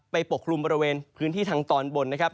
ปกคลุมบริเวณพื้นที่ทางตอนบนนะครับ